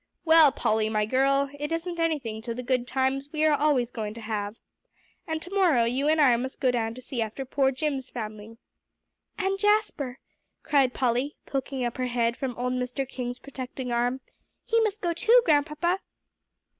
"Well, Polly, my girl, it isn't anything to the good times we are always going to have. And to morrow, you and I must go down to see after poor Jim's family." "And Jasper?" cried Polly, poking up her head from old Mr. King's protecting arm; "he must go too, Grandpapa."